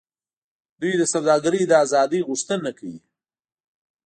دوی د سوداګرۍ د آزادۍ غوښتنه کوي